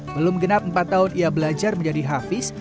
belum genap empat tahun ia belajar menjadi hafiz